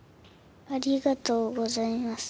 ありがとうございます。